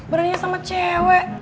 beraninya sama cewek